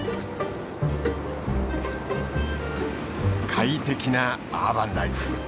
快適なアーバンライフ。